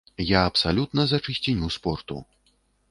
Я абсалютна за чысціню спорту.